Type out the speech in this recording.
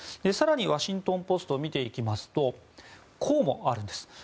更にワシントン・ポストを見ていきますとこうもあるんです。